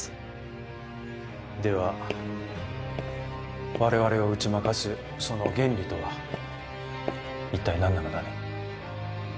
では我々を打ち負かすその原理とは一体何なのだね？